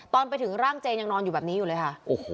ตอนไปถึงร่างเจนยังนอนอยู่แบบนี้อยู่เลยค่ะ